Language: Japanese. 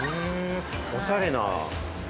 おしゃれなお店！